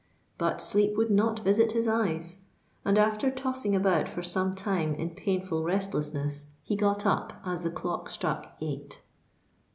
But sleep would not visit his eyes; and, after tossing about for some time in painful restlessness, he got up as the clock struck eight.